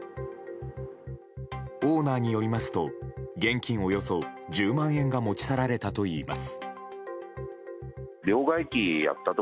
オーナーによりますと現金およそ１０万円が持ち去られたといいます。